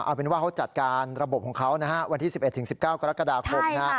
เอาเป็นว่าเขาจัดการระบบของเขานะฮะวันที่๑๑๑๙กรกฎาคมนะฮะ